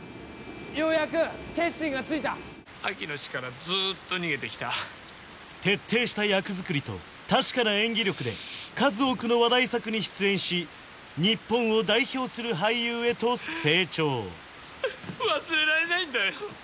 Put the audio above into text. ようやく決心がついたアキの死からずっと逃げてきた徹底した役作りと確かな演技力で数多くの話題作に出演し日本を代表する俳優へと成長忘れられないんだよ